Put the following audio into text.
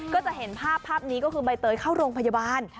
ก็จะเห็นภาพภาพนี้ก็คือใบเตยเข้าโรงพยาบาล